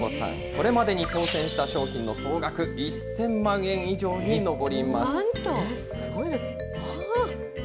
これまでに当せんした賞品の総額１０００万円以上に上ります。